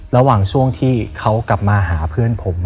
ระหว่างช่วงที่เขากลับมาหาเพื่อนผม